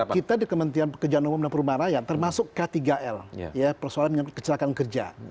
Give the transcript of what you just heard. kita di kementerian pekerjaan umum dan perumahan raya termasuk k tiga l ya persoalan kecelakaan kerja